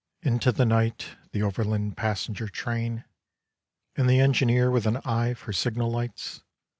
Into the night the overland passenger train. And the engineer with an eye for signal lights.